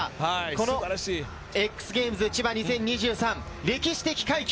このＸＧａｍｅｓＣｈｉｂａ２０２３、歴史的快挙！